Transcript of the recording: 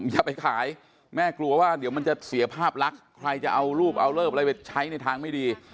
อย่าไปขายแม่กลัวว่าเดี๋ยวมันจะเสียภาพลักษณ์ใครจะเอารูปเอาเลิฟอะไรไปใช้ในทางไม่ดี